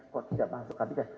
kok tidak masuk kapital